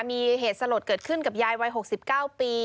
มีเหตุสลดเกิดขึ้นกับยายวัย๖๙ปี